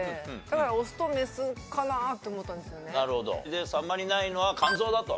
でさんまにないのは肝臓だと。